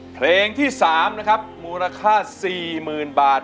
เพลงที่๓นะครับมูลค่า๔๐๐๐บาท